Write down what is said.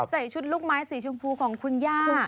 ใส่ชุดลูกไม้สีชมพูของคุณย่า